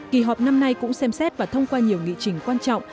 kỳ họp đã xem xét và thông qua nhiều nghị trình quan trọng